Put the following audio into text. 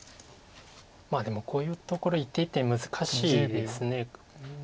でもこういうところ一手一手難しいです。